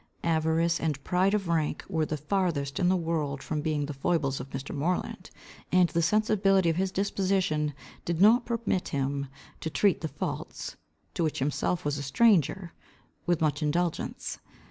Avarice and pride of rank were the farthest in the world from being the foibles of Mr. Moreland, and the sensibility of his disposition did not permit him to treat the faults, to which himself was a stranger, with much indulgence.